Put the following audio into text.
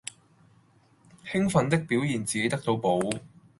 與奮的表現自己得到寶